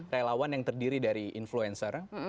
relawan yang terdiri dari influencer